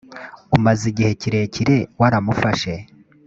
umaze igihe kirekire waramufashe